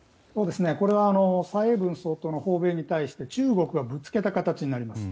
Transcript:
蔡英文総統に対して中国がぶつけた形になります。